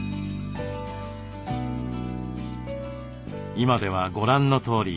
今ではご覧のとおり。